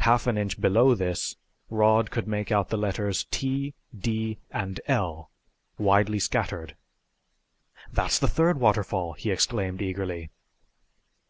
Half an inch below this Rod could make out the letters T, D and L, widely scattered. "That's the third waterfall," he exclaimed eagerly.